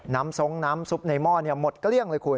ทรงน้ำซุปในหม้อหมดเกลี้ยงเลยคุณ